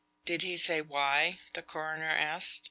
"Did he say why?" the coroner asked.